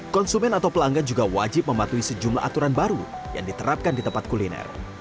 konsumen atau pelanggan juga wajib mematuhi sejumlah aturan baru yang diterapkan di tempat kuliner